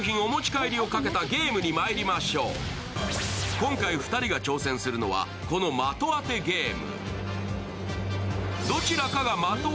今回２人が挑戦するのは、この的当てゲーム。